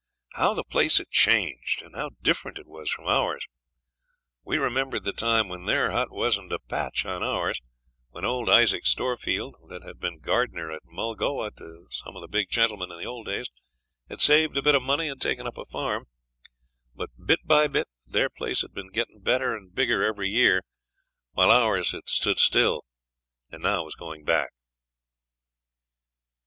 How the place had changed, and how different it was from ours! We remembered the time when their hut wasn't a patch on ours, when old Isaac Storefield, that had been gardener at Mulgoa to some of the big gentlemen in the old days, had saved a bit of money and taken up a farm; but bit by bit their place had been getting better and bigger every year, while ours had stood still and now was going back.